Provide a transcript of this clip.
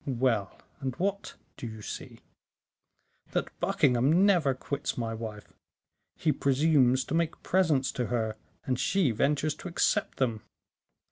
"Well, and what do you see?" "That Buckingham never quits my wife. He presumes to make presents to her, and she ventures to accept them.